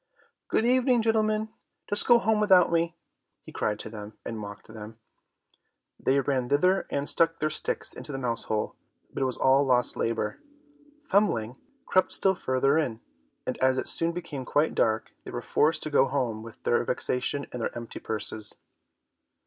"Good evening, gentlemen, just go home without me," he cried to them, and mocked them. They ran thither and stuck their sticks into the mouse hole, but it was all lost labour. Thumbling crept still farther in, and as it soon became quite dark, they were forced to go home with their vexation and their empty purses.